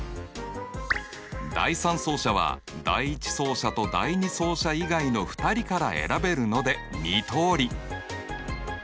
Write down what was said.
第３走者は第１走者と第２走者以外の２人から選べるので２通り。